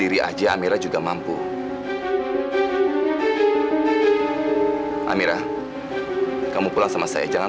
hai kita channel baik itu kan kata mulut kamu siapa yang tahu hati kamu seperti apa jangan